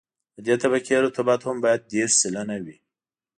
د دې طبقې رطوبت هم باید دېرش سلنه وي